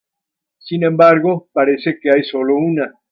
Sin embargo, parece que hay sólo una.